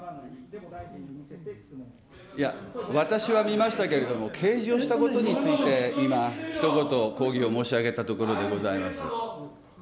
私は見ましたけれども、掲示をしたことについて、今、ひと言抗議を申し上げたところでございます。